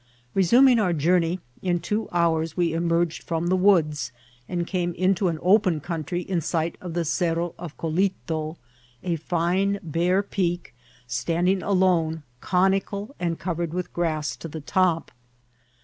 Resuming our journey, in two hours we emerged from the woods, and came into an open country in sight of the Cerros of Collito, a fine bare peak, stand ing alone, conical, and covered with grass to the top.